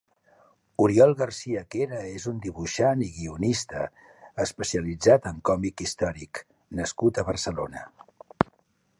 Oriol Garcia Quera és un dibuixant i guionista especialitzat en còmic històric nascut a Barcelona.